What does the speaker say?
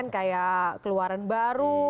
kayak keluaran baru